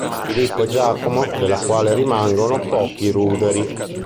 Filippo e Giacomo, della quale rimangono pochi ruderi.